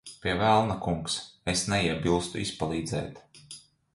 Pie velna, kungs. Es neiebilstu izpalīdzēt.